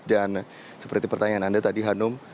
dan seperti pertanyaan anda tadi hanum